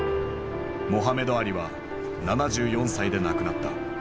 モハメド・アリは７４歳で亡くなった。